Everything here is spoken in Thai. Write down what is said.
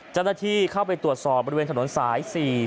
เจ้าหน้าที่เข้าไปตรวจสอบบริเวณถนนสาย๔๔